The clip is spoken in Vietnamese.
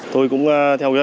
thôi cũng theo